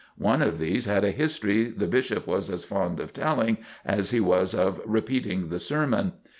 One of these had a history the Bishop was as fond of telling as he was of repeating the sermon.